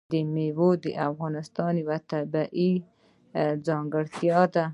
مېوې د افغانستان یوه طبیعي ځانګړتیا ده.